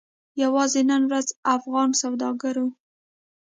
یوازې نن ورځ افغان سوداګرو